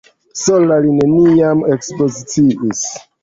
Sola li neniam ekspoziciis.